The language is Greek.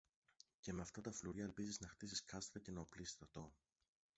Και με αυτά τα φλουριά ελπίζεις να χτίσεις κάστρα και να οπλίσεις στρατό;